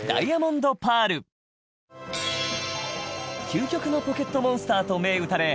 究極の『ポケットモンスター』と銘打たれ